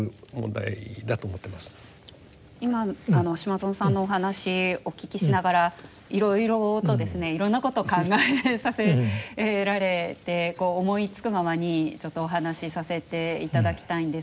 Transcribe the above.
今島薗さんのお話お聞きしながらいろいろといろんなことを考えさせられて思いつくままにちょっとお話させていただきたいんですけれども。